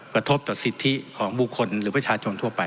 กระทบต่อสิทธิของบุคคลหรือประชาชนทั่วไป